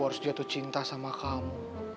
harus jatuh cinta sama kamu